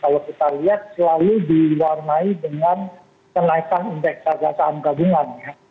kalau kita lihat selalu diwarnai dengan kenaikan indeks harga saham gabungan